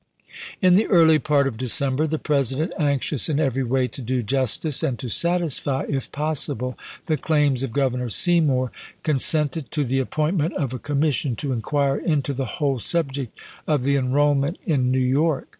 In the early part of December the President, anxious in every way to do justice and to satisfy, THE LINCOLN SEYMOUR CORRESPONDENCE 41 if possible, the claims of Governor Seymour, con chap.ii. sented to the appointment of a commission to inquire into the whole subject of the enrollment in New York.